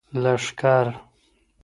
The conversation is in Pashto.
لښکر